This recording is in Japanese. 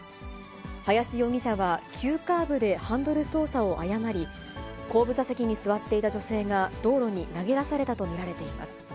林容疑者は急カーブでハンドル操作を誤り、後部座席に座っていた女性が道路に投げ出されたと見られています。